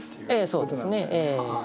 そうですね。